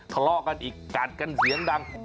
เค้ารอกกันอีกกาดกันเสียงดัง